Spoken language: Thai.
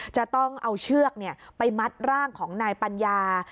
จะต้องเอาเชือกไปมัดร่างของนายปัญญา